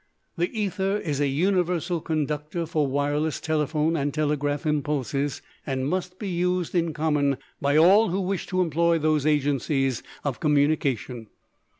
The ether is a universal conductor for wireless telephone and telegraph impulses and must be used in common by all who wish to employ those agencies of communication.